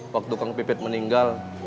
waktu kang pipit meninggal